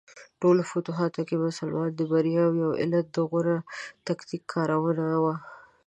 ټولو فتوحاتو کې د مسلمانانو د بریاوو یو علت د غوره تکتیک کارونه وه.